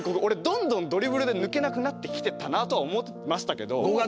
俺どんどんドリブルで抜けなくなってきてたなとは思ってましたけど。